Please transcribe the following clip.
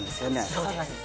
そうなんです。